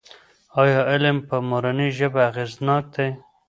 ایا علم په مورنۍ ژبه اغېزناک دی؟